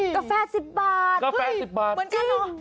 กาแฟ๑๐บาทเห้ยเหมือนกันหรอจริง